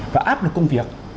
và áp lực công việc